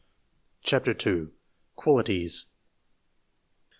CHAPTER II. QUALITIES.